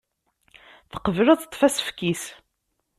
Teqbel ad teṭṭef asefk-is.